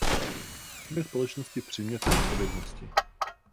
Musíme společnosti přimět k odpovědnosti.